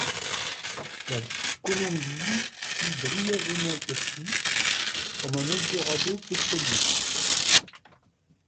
La Colombie fut brièvement perçu comme un eldorado pétrolier.